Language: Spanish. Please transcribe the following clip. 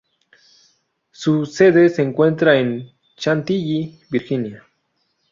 Su sede se encuentra en Chantilly, Virginia.